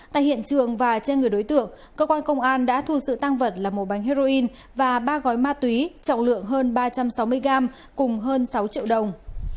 tại hiện trường và trên người đối tượng cơ quan công an đã thu sự tăng vật là một bánh heroin và ba gói ma túy trọng lượng hơn ba trăm sáu mươi gram cùng hơn sáu triệu đồng